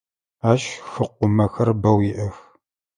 Ащ хыкъумэхэр бэу иӏэх.